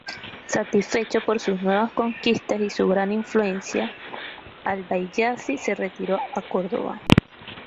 Satisfecho por sus nuevas conquistas y su gran influencia, al-Bayyasi se retiró a Córdoba.